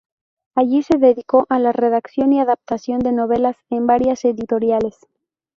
Allí se dedicó a la redacción y adaptación de novelas en varias editoriales.